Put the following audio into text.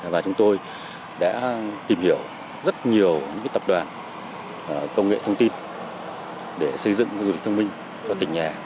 và chúng tôi đã tìm hiểu rất nhiều những tập đoàn công nghệ thông tin để xây dựng du lịch thông minh cho tỉnh nhà